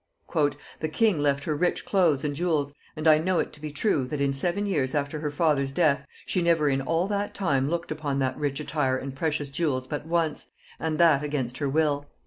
"The king left her rich cloaths and jewels; and I know it to be true, that in seven years after her father's death, she never in all that time looked upon that rich attire and precious jewels but once, and that against her will.